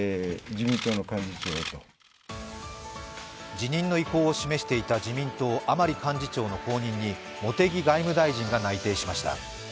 辞任の意向を示していた自民党・甘利幹事長の後任に茂木外務大臣が内定しました。